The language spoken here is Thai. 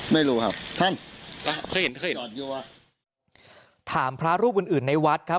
ไม่รู้ครับท่านเคยเห็นเคยเห็นถามพระรูปอื่นอื่นในวัดครับ